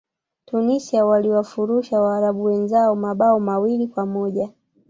tunisia waliwafurusha waarabu wenzao mabao mawili kwa moja